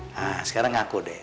nah sekarang ngaku deh